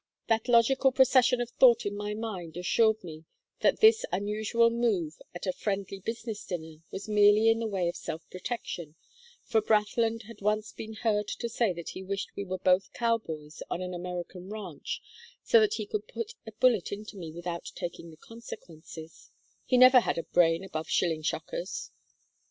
That logical procession of thought in my mind assured me that this unusual move at a friendly business dinner was merely in the way of self protection, for Brathland had once been heard to say that he wished we were both cow boys on an American ranch so that he could put a bullet into me without taking the consequences he never had a brain above shilling shockers.